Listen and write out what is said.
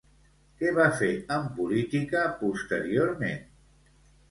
Què va fer en política posteriorment?